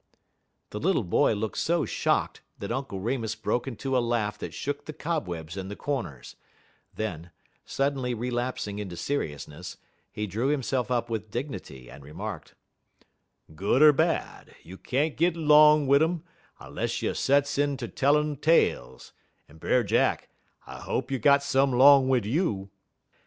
The little boy looked so shocked that Uncle Remus broke into a laugh that shook the cobwebs in the corners; then, suddenly relapsing into seriousness, he drew himself up with dignity and remarked: "Good er bad, you can't git 'long wid 'im less'n you sets in ter tellin' tales, en, Brer Jack, I hope you got some 'long wid you."